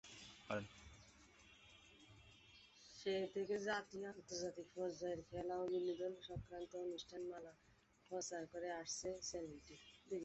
সেই থেকে জাতীয় ও আন্তর্জাতিক পর্যায়ের খেলা ও বিনোদন সংক্রান্ত অনুষ্ঠানমালা প্রচার করে আসছে চ্যানেলটি।